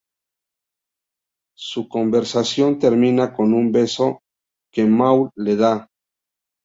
Su conversación termina con un beso que Maul le da.